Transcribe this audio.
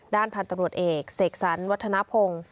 ด้านพันธุ์ตำรวจเอกเสกสรรวัฒนภง